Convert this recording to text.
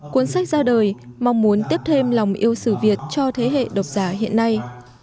cuốn sách ra đời mong muốn tiếp thêm lòng yêu sử việt cho thế hệ độc giả hiện nay